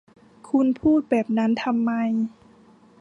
คุณพูดแบบนั้นทำไม